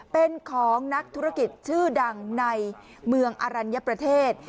เป็นของนักธุรกิจชื่อดังในเมืองอรัญญประเทศ